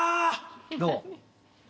どう？